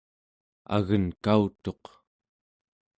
agenkautuq